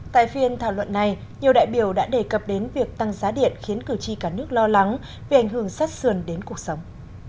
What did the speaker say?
tại phiên thảo luận này nhiều đại biểu đã đề cập đến việc tăng giá điện khiến cử tri cả nước lo lắng vì ảnh hưởng sát sườn đến cuộc sống